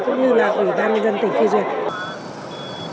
cũng như là ủy ban dân tỉnh phê duyệt